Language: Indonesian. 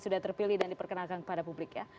sudah terpilih dan diperkenalkan kepada publik ya